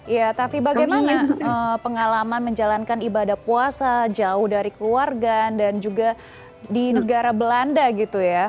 ya tapi bagaimana pengalaman menjalankan ibadah puasa jauh dari keluarga dan juga di negara belanda gitu ya